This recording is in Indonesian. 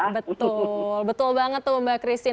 betul betul banget tuh mbak christine